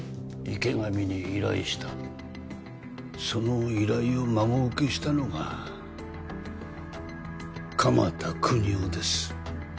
池上に依頼したその依頼を孫請けしたのが鎌田國士です